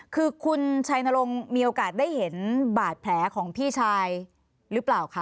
คือคุณชัยนรงค์มีโอกาสได้เห็นบาดแผลของพี่ชายหรือเปล่าคะ